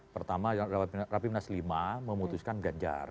pertama lewat rapimnas lima memutuskan ganjar